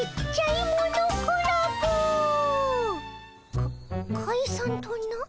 かかいさんとな。